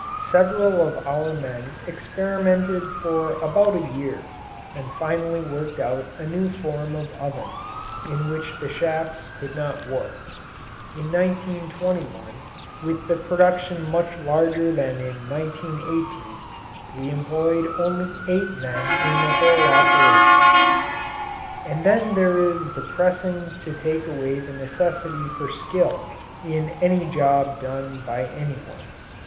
Several of our men experimented for about a year and finally worked out a new form of oven in which the shafts could not warp. In 1921, with the production much larger than in 1918, we employed only eight men in the whole operation. And then there is the pressing to take away the necessity for skill in any job done by any one.